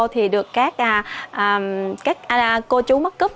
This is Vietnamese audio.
thì được các cô chú mắc cúp